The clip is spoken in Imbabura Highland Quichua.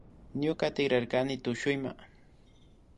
Ñuka tikrarkani tushuyma